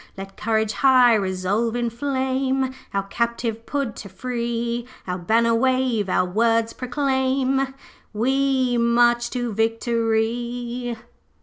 'Let courage high resolve inflame Our captive Pud to free; Our banner wave, our words proclaim We march to victory!'